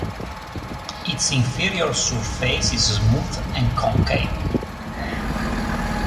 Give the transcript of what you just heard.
Its inferior surface is smooth and concave.